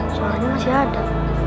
soalnya masih ada